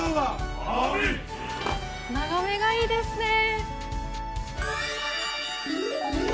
眺めがいいですね。